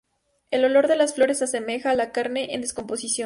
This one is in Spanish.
El olor de las flores asemeja a la carne en descomposición.